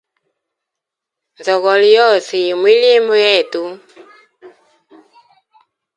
Nzogolo yose yi mwilimbo yetu.